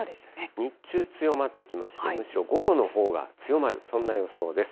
日中、強まってきまして、むしろ午後のほうが強まる、そんな予想です。